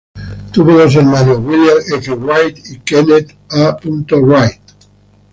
Tuvo dos hermanos William F. Wright y Kenneth A. Wright.